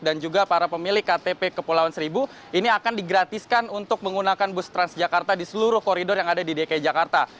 dan juga para pemilik ktp kepulauan seribu ini akan digratiskan untuk menggunakan bus transjakarta di seluruh koridor yang ada di dki jakarta